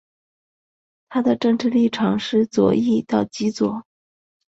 它的政治立场是左翼到极左。